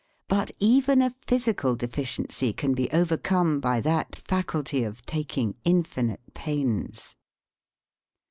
But even a physical deficiency can be overcome by that faculty of taking infinite pains."